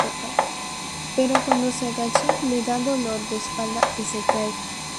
Pero cuando se agacha le da dolor de espalda y se cae.